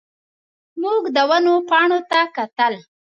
موږ د ونو پاڼو ته کتل.